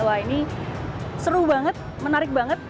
wah ini seru banget menarik banget